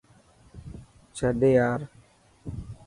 ڇڏ يار.